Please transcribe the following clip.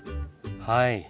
はい。